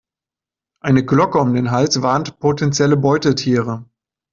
Eine Glocke um den Hals warnt potenzielle Beutetiere.